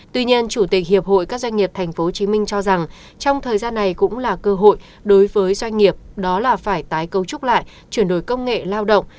tuy nhiên chủ tịch hiệp hội các doanh nghiệp tp hcm cho rằng trong thời gian này cũng là cơ hội đối với doanh nghiệp đó là phải tái cấu trúc lại chuyển đổi công nghệ lao động